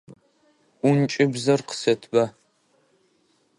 Ӏункӏыбзэр къысэтба.